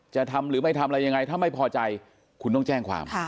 จะทำหรือไม่ทำอะไรยังไงถ้าไม่พอใจคุณต้องแจ้งความ